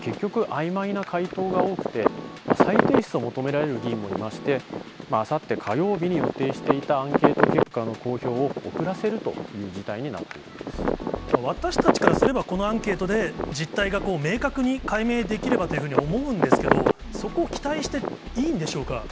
結局、あいまいな回答が多くて、再提出を求められる議員もいまして、あさって火曜日に予定していたアンケート結果の公表を遅らせると私たちからすれば、このアンケートで実態が明確に解明できればというふうに思うんですけど、そこを期待していいんでしょうか。